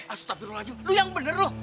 astagfirullahaladzim lu yang bener lu